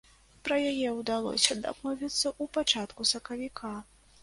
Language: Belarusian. Пра яе ўдалося дамовіцца ў пачатку сакавіка.